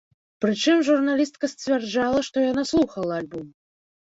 Прычым, журналістка сцвярджала, што яна слухала альбом.